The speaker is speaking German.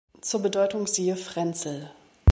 Zur Bedeutung siehe Frenzel.